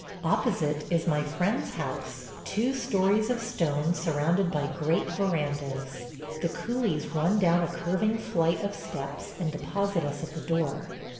Opposite is my friend's house – two stories of stone surrounded by great verandas. The coolies run down a curving flight of steps and deposit us at the door.